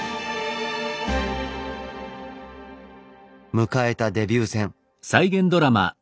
迎えたデビュー戦。